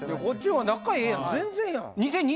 こっちは仲ええやん全然やん。